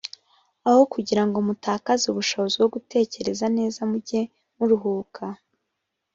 aho kugirango mutakaze ubushobozi bwo gutekereza neza mujye muruhuka